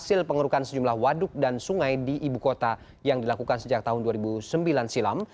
hasil pengurukan sejumlah waduk dan sungai di ibu kota yang dilakukan sejak tahun dua ribu sembilan silam